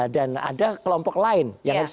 dan ada kelompok lain